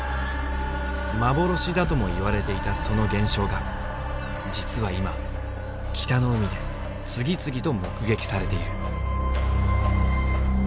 幻だとも言われていたその現象が実は今北の海で次々と目撃されている。